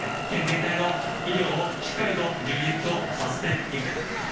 県全体の医療をしっかりと充実をさせていく。